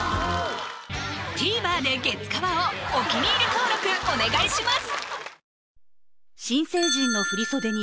ＴＶｅｒで「月カワ」をお気に入り登録お願いします！